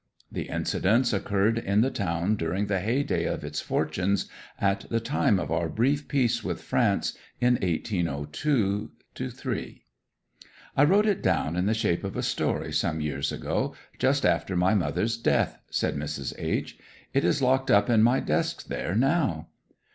The incidents occurred in the town during the heyday of its fortunes, at the time of our brief peace with France in 1802 3. 'I wrote it down in the shape of a story some years ago, just after my mother's death,' said Mrs. H . 'It is locked up in my desk there now.'